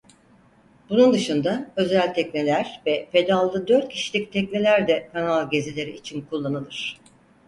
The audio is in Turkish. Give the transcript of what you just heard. Bunun dışında özel tekneler ve pedallı dört kişilik tekneler de kanal gezileri için kullanılır.